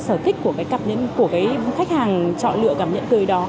phù hợp với cái nhu cầu và cái sở thích của cái khách hàng chọn lựa cặp nhẫn cưới đó